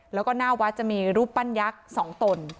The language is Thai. แล้วก็หน้าวัดจะมีรูปปั้นยักษ์๒ตน